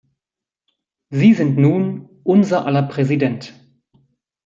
Sie sind nun unser aller Präsident.